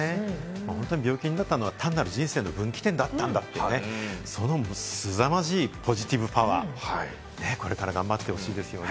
病気になったのは本当に単なる人生の分岐点だったんだという、すさまじいポジティブパワー、これからも頑張ってほしいですよね。